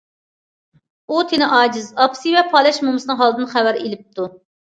ئۇ تېنى ئاجىز ئاپىسى ۋە پالەچ مومىسىنىڭ ھالىدىن خەۋەر ئېلىپتۇ.